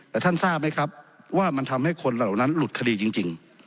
แต่ท่านทราบไหมครับว่ามันทำให้คนเหล่านั้นหลุดคดีจริง